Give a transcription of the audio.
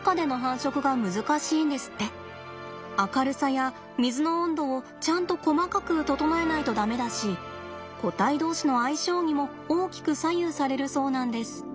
明るさや水の温度をちゃんと細かく整えないと駄目だし個体どうしの相性にも大きく左右されるそうなんです。